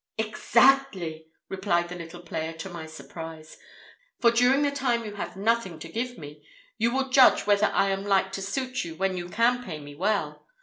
"Exactly!" replied the little player, to my surprise; "for during the time you have nothing to give me, you will judge whether I am like to suit you when you can pay me well.